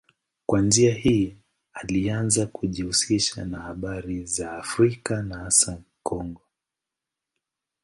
Kwa njia hii alianza kujihusisha na habari za Afrika na hasa Kongo.